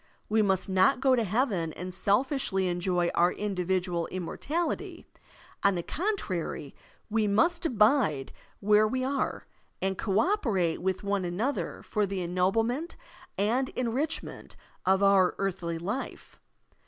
We must not go to heaven and selfishly enjoy our individual immortality. On the con trary, we must abide where we are, and co operate with one another for the ennoblement and enrich ment of our earthly life.